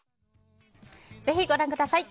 ぜひご覧ください。